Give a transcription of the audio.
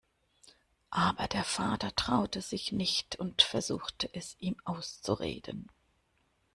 Aber der Vater traute sich nicht und versuchte, es ihm auszureden.